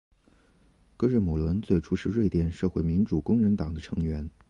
格日姆伦最初是瑞典社会民主工人党的成员。